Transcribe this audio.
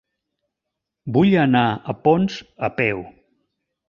Vull anar a Ponts a peu.